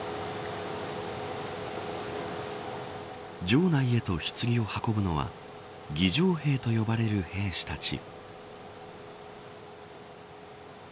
場内へと、ひつぎを運ぶのは儀仗兵と呼ばれる兵士たち。